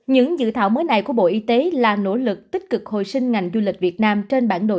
những dự thảo mới này của bộ y tế là nỗ lực tích cực hồi sinh ngành du lịch việt nam trên bản đồ